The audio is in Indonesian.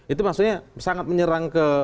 itu maksudnya sangat menyerang ke